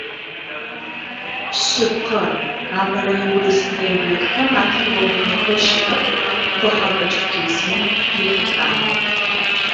Шъыпкъэ, апэрэ урыс краеведхэм атхыгъэ горэхэр щыӏэх Къохьэпӏэ Черкесием ехьылӏагъэу.